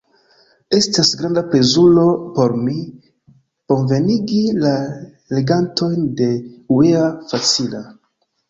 Estas granda plezuro por mi, bonvenigi la legantojn de uea.facila!